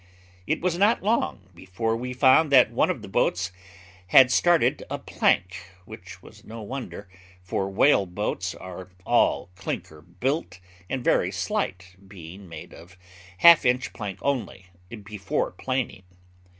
It was not long before we found that one of the boats had started a plank, which was no wonder, for whale boats are all clinker built, and very slight, being made of half inch plank only, before planing.